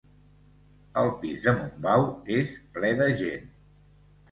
El pis de Montbau és ple de gent.